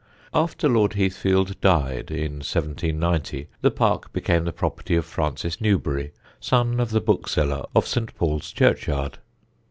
After Lord Heathfield died, in 1790, the park became the property of Francis Newbery, son of the bookseller of St. Paul's Churchyard.